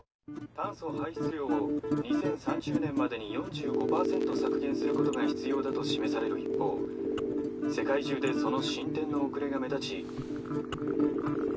「炭素排出量を２０３０年までに４５％削減することが必要だと示される一方世界中でその進展の遅れが目立ち」。